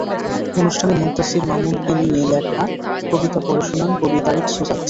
অনুষ্ঠানে মুনতাসীর মামুনকে নিয়ে লেখা কবিতা পড়ে শোনান কবি তারিক সুজাত।